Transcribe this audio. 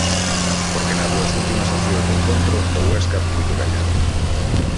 Porque nas dúas últimas accións do encontro o Huesca puido gañar.